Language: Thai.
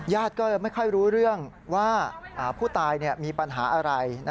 ก็จะไม่ค่อยรู้เรื่องว่าผู้ตายมีปัญหาอะไร